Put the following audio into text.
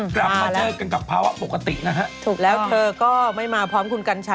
กลับมาเจอกันกับภาวะปกตินะฮะถูกแล้วเธอก็ไม่มาพร้อมคุณกัญชัย